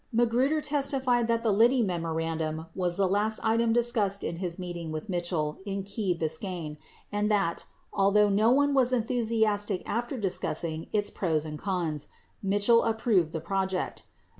94 Magruder testified that the Lidcly memorandum was the last item discussed in his meeting with Mitchell in Key Biscayne, and that, although no one was enthusiastic after discussing its pros and cons, Mitchell approved the project.